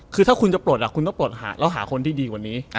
คือถ้าคุณจะปลดคุณต้องปลดแล้วหาคนที่ดีกว่านี้